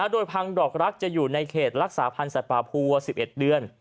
โดยพังดอกรักจะอยู่ในเขตรักษาพันธ์สัตว์ป่าภูว๑๑เดือน